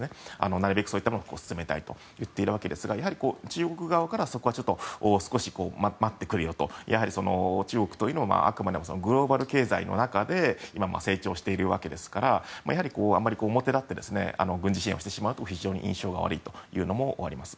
なるべくそういったものを進めたいといっているわけですが中国側からそこは少し待ってくれよと中国はあくまでもグローバル経済の中で今、成長しているわけですからあまり表立って軍事支援をしてしまうと非常に印象が悪いというのもあります。